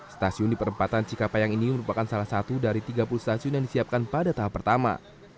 stasiun di perempatan cikapayang ini merupakan salah satu dari tiga puluh stasiun yang disiapkan pada tahap pertama